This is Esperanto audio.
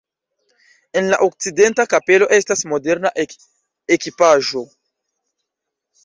En la okcidenta kapelo estas moderna ekipaĵo.